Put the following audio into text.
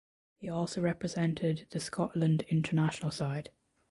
He also represented the Scotland international side.